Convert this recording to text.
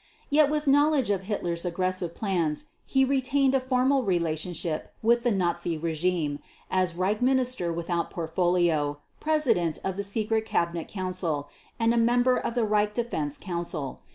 Yet with knowledge of Hitler's aggressive plans he retained a formal relationship with the Nazi regime as Reich Minister without Portfolio, President of the Secret Cabinet Council and a member of the Reich Defense Council.